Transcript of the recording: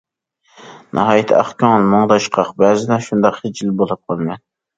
ناھايىتى ئاق كۆڭۈل، مۇڭداشقاق، بەزىدە شۇنداق خىجىل بولۇپ قالىمەن.